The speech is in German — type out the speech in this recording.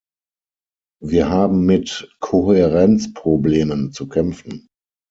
Wir haben mit Kohärenzproblemen zu kämpfen.